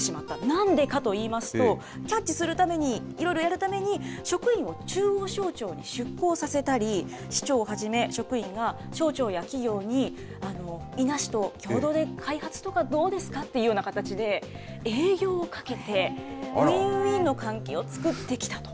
なんでかといいますと、キャッチするために、いろいろやるために、職員を中央省庁に出向させたり、市長をはじめ職員が省庁や企業に、伊那市と共同で開発とかどうですか？っていうような形で、営業をかけて、ウィンウィンの関係を作ってきたと。